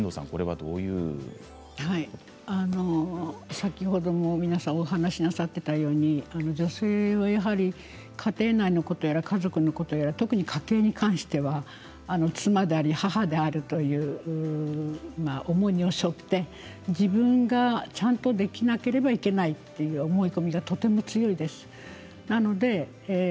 先ほども、皆さんお話なさっていたように女性の家庭内のことやら家族のことやら特に家計に関しては妻であり母であるという重荷をしょって自分がちゃんとできなければいけないという思い込みがとても強いです。